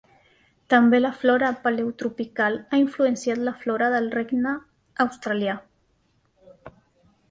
També la flora paleotropical ha influenciat la flora del regne australià.